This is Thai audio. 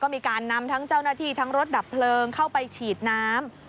มีการนำทั้งเจ้าหน้าที่ทั้งรถดับเพลิงเข้าไปฉีดน้ำ